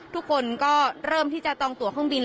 ทุกคนก็เริ่มที่จะต้องตัวข้างบิน